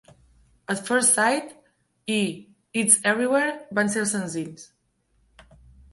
"At First Sight" i "It's Everywhere" van ser els senzills.